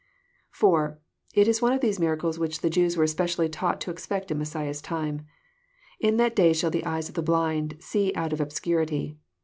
(4) It is one of those miracles which the Jews were especially taught to expect in Messiah's time :'' In that day shall the eyes of the blind see out of obscurity."